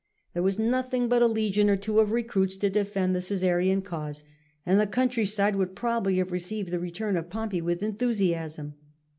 There was nothing but a legion or two of recruits to defend the Caesarian cause, and the country side would probably have received the return of Pompey with enthusiasm.